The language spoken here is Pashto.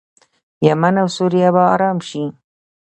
یمن او سوریه به ارام شي.